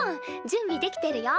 準備できてるよ。